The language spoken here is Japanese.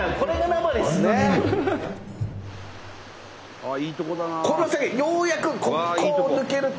ああいいとこだな！